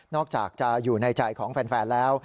อกจากจะอยู่ในใจของแฟนแล้ว